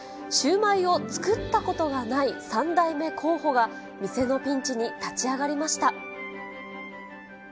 シューマイを作ったことがない３代目候補が、店のピンチに立ち上がりました。